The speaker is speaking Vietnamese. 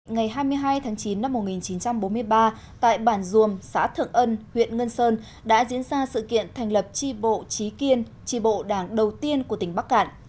ngày hai mươi hai tháng chín năm một nghìn chín trăm bốn mươi ba tại bản duồm xã thượng ân huyện ngân sơn đã diễn ra sự kiện thành lập tri bộ trí kiên trì bộ đảng đầu tiên của tỉnh bắc cạn